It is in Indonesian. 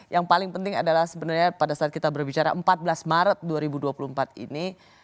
yang paling penting adalah sebenarnya pada saat kita berbicara empat belas maret dua ribu dua puluh empat ini